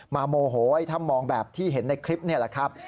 โมโหถ้ามองแบบที่เห็นในคลิปนี่แหละครับ